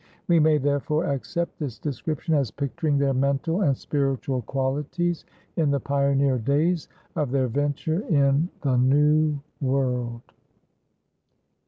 We may therefore accept this description as picturing their mental and spiritual qualities in the pioneer days of their venture in the New World.